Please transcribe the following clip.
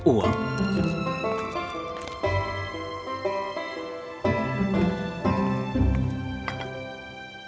tapi banyak uang